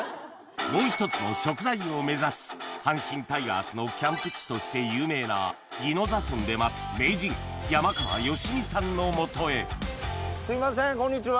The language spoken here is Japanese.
もう一つの食材を目指し阪神タイガースのキャンプ地として有名な宜野座村で待つ名人山川吉美さんの元へすいませんこんにちは。